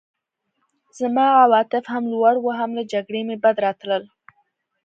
زما عواطف هم لوړ وو او له جګړې مې بد راتلل